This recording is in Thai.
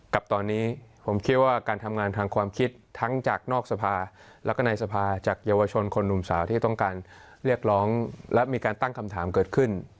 กับตอนนี้ผมคิดว่าการทำงานทางความคิดทั้งจากนอกสภาแล้วก็ในสภาจากเยาวชนคนหนุ่มสาวที่ต้องการเรียกร้องและมีการตั้งคำถามเกิดขึ้น